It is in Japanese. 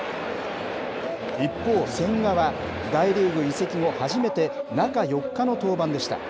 一方、千賀は、大リーグ移籍後、初めて中４日の登板でした。